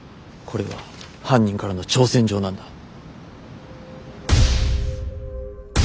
これは犯人からの挑戦状なんだ。